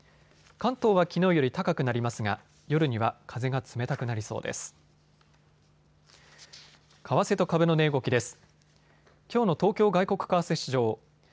関東はきのうより高くなりますが夜には風が冷たくなりそうです。